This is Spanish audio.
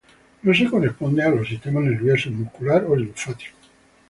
No se corresponden a los sistemas nervioso, muscular o linfático.